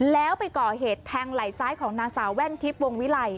แล้วไปก่อเหตุแทงไหล่ซ้ายของนางสาวแว่นทิพย์วงวิไล